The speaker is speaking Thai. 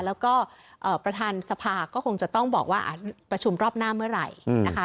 แล้วก็ประธานสภาก็คงจะต้องบอกว่าประชุมรอบหน้าเมื่อไหร่นะคะ